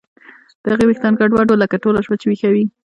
د هغې ویښتان ګډوډ وو لکه ټوله شپه چې ویښه وي